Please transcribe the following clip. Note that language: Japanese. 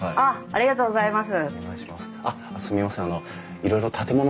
ありがとうございます。